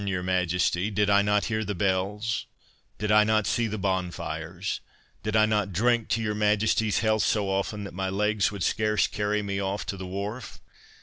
your Majesty; did I not hear the bells?—did I not see the bonfires?—did I not drink your Majesty's health so often, that my legs would scarce carry me to the wharf?